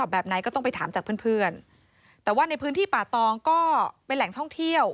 แบบไหนก็ต้องไปถามจากเพื่อนเพื่อนแต่ว่าในพื้นที่ป่าตองก็เป็นแหล่งท่องเที่ยว